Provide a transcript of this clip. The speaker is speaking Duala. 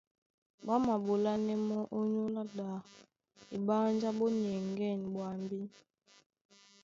Ɓá maɓolánɛ́ mɔ́ ónyólá ɗā, eɓánjá ɓó nyɛŋgɛ̂ny ɓwambí.